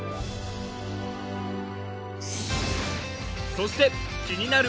そして気になる